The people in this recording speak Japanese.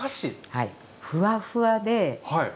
はい。